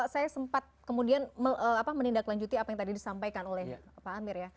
saya sempat kemudian menindaklanjuti apa yang tadi disampaikan oleh pak amir ya